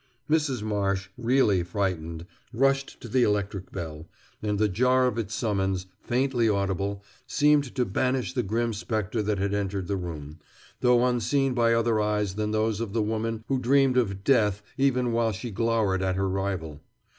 Mrs. Marsh, really frightened, rushed to the electric bell, and the jar of its summons, faintly audible, seemed to banish the grim specter that had entered the room, though unseen by other eyes than those of the woman who dreamed of death even while she glowered at her rival.